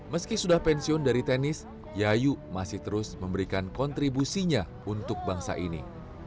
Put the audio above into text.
meski sudah pensiun dari tenis yayu masih terus memberikan kontribusinya untuk bangsa ini